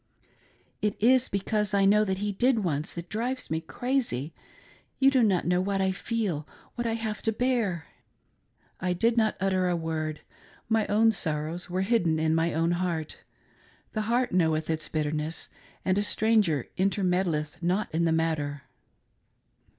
" It is because I know that he did ohbe, that drives me crazy. You do not know what I feel, what I have to bear!" I did not utter a word — my own Sorrows were hidden in my own heart — The heart knoweth its bitterness, and a Stranger intermeddleth not in the matter.